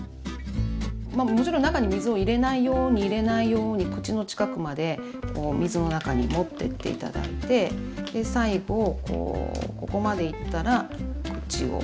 もちろん中に水を入れないように入れないように口の近くまで水の中に持ってって頂いて最後ここまでいったら口を閉じてよいしょ。